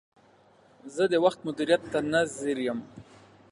زه د وخت مدیریت ته نه ځیر یم.